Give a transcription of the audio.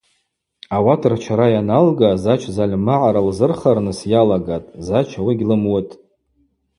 Ауат рчара йаналга Зач зальмагӏара лзырхарныс йалагатӏ, Зач ауи гьлымуытӏ.